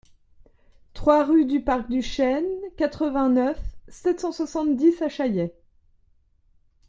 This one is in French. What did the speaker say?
trois rue du Parc du Chêne, quatre-vingt-neuf, sept cent soixante-dix à Chailley